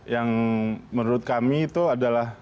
yang menurut kami itu adalah